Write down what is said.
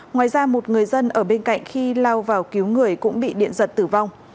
ngoài ra một người dân ở bên cạnh khi lao vào cứu người cũng bị điện giật tử vong